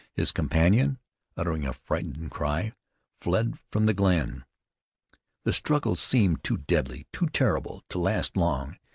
His companion, uttering a frightened cry, fled from the glen. The struggle seemed too deadly, too terrible, to last long.